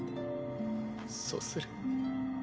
そうする。